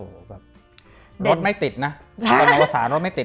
โอ้โหแบบรถไม่ติดนะรถนวสานรถไม่ติดนะ